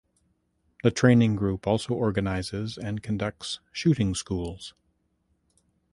The Training Group also organizes and conducts shooting schools.